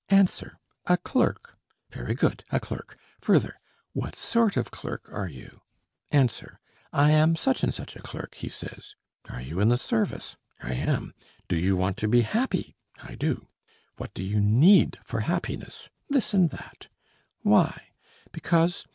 Answer: 'A clerk.' Very good, a clerk; further: 'What sort of clerk are you?' Answer: 'I am such and such a clerk,' he says. 'Are you in the service?' 'I am.' 'Do you want to be happy?' 'I do.' 'What do you need for happiness?' 'This and that.' 'Why?' 'Because....'